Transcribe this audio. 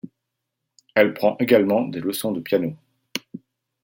Elle prend également des leçons de piano.